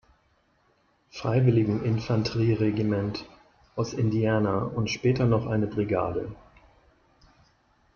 Freiwilligen-Infanterieregiment aus Indiana und später noch eine Brigade.